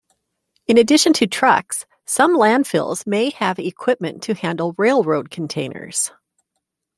In addition to trucks, some landfills may have equipment to handle railroad containers.